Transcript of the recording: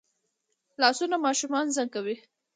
لاسونه ماشومان زنګوي